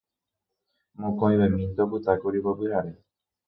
Mokõivemínte opytákuri upe pyhare.